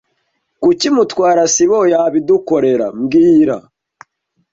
Kuki Mutwara sibo yabidukorera mbwira